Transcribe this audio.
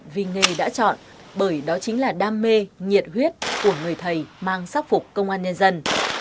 vì nghề đã chọn bởi đó chính là đam mê nhiệt huyết của người thầy mang sắc phục công an nhân dân